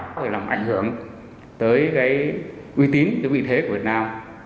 có thể làm ảnh hưởng tới uy tín vị thế của việt nam